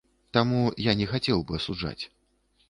Таму я не хацеў бы асуджаць.